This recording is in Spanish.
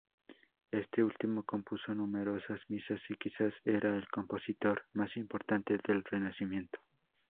Este último compuso numerosas misas y quizás era el compositor más importante del Renacimiento.